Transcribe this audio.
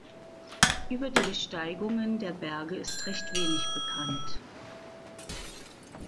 Über die Besteigungen der Berge ist recht wenig bekannt.